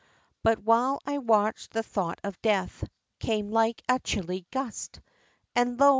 X. But while I watch'd, the thought of death Came like a chilly gust, And lo!